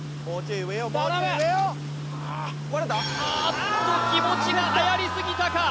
あーっと気持ちがはやりすぎたか